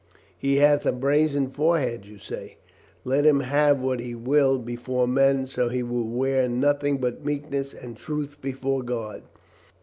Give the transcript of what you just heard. He hath a brazen forehead, you say? Let him have what he will before men so he wear noth ing but meekness and truth before God.